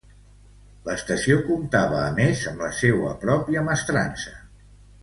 L'estació comptava a més amb la seua pròpia mestrança.